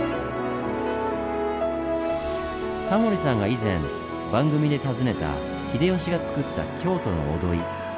タモリさんが以前番組で訪ねた秀吉がつくった京都の御土居。